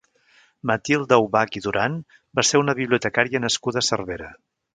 Matilde Ubach i Duran va ser una bibliotecària nascuda a Cervera.